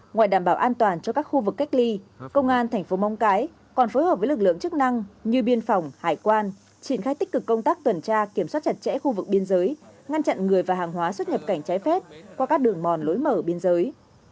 ngoài đảm bảo an toàn cho các khu vực cách ly công an thành phố móng cái còn phối hợp với lực lượng chức năng như biên phòng hải quan triển khai tích cực công tác tuần tra kiểm soát chặt chẽ khu vực biên giới ngăn chặn người và hàng hóa xuất nhập cảnh trái phép qua các đường mòn lối mở biên giới